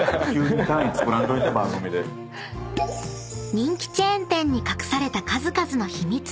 ［人気チェーン店に隠された数々の秘密